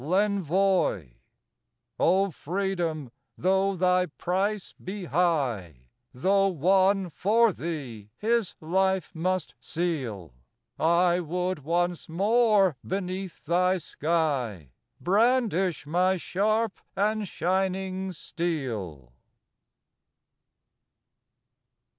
56 L'Envoi O Freedom, though thy price be high, Though one for thee his life must seal, I would once more beneath thy sky Brandish my sharp and shining steel.